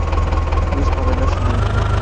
Lluís Cabrera es el director.